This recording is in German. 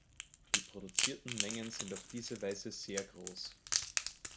Die produzierten Mengen sind auf diese Weise sehr groß.